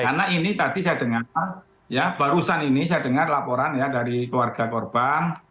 karena ini tadi saya dengar ya barusan ini saya dengar laporan ya dari keluarga korban